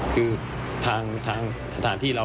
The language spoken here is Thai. คือทางที่เรา